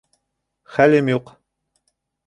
Хәлем юҡ.